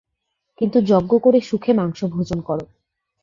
কিন্তু যজ্ঞ করে সুখে মাংস ভোজন কর।